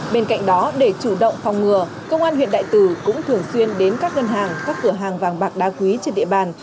bên cạnh đó để chủ động phòng ngừa công an huyện đại từ cũng thường xuyên đến các ngân hàng các cửa hàng vàng bạc đa quý trên địa bàn